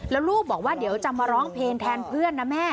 แล้วลูกบอกว่าเดี๋ยวจะมาร้องเพลงแทนเพื่อนนะแม่